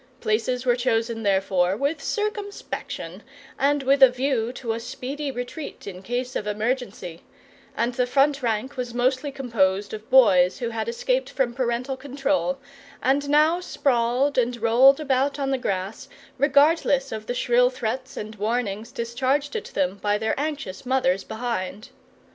Places were chosen, therefore, with circumspection and with a view to a speedy retreat in case of emergency; and the front rank was mostly composed of boys who had escaped from parental control and now sprawled and rolled about on the grass, regardless of the shrill threats and warnings discharged at them by their anxious mothers behind.